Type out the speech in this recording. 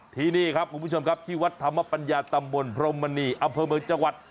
ที่นี่ครับคุณผู้ชมครับที่วัดธรรมปัญญาตำบลพรมมณีอำเภอเมืองจังหวัด